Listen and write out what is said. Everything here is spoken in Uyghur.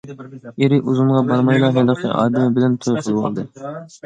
ئېرى ئۇزۇنغا بارمايلا ھېلىقى «ئادىمى» بىلەن توي قىلىۋالدى.